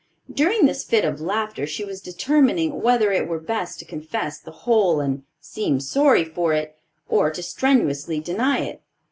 During this fit of laughter, she was determining whether it were best to confess the whole and seem sorry for it, or to strenuously deny it.